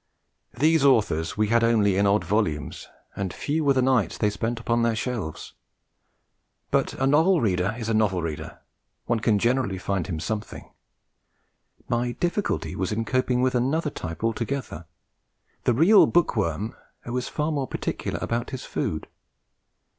These authors we had only in odd volumes, and few were the nights they spent upon their shelves. But a novel reader is a novel reader, one can generally find him something; my difficulty was in coping with another type altogether the real bookworm who is far more particular about his food.